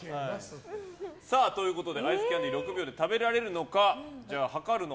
アイスキャンディー６秒で食べられるのか。